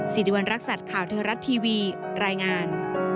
สิริวัณรักษัตริย์ข่าวเทวรัฐทีวีรายงาน